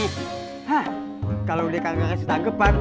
hah kalau dia kagak ngasih tanggepan